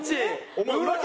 お前！